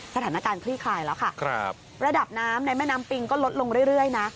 สถานการณ์คลี่คลายแล้วค่ะครับระดับน้ำในแม่น้ำปิงก็ลดลงเรื่อยเรื่อยนะ